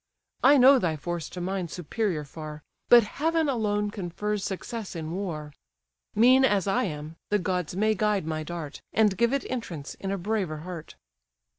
I know thy force to mine superior far; But heaven alone confers success in war: Mean as I am, the gods may guide my dart, And give it entrance in a braver heart."